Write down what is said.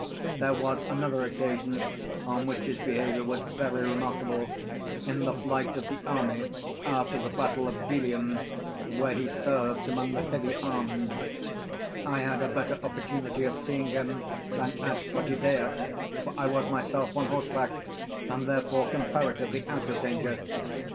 There was another occasion on which his behaviour was very remarkable in the flight of the army after the battle of Delium, where he served among the heavy armed, I had a better opportunity of seeing him than at Potidaea, for I was myself on horseback, and therefore comparatively out of danger.